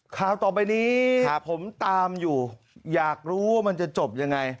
ข่าวต่อไปนี้ผมตามอยู่อยากรู้ว่ามันจะจบยังไง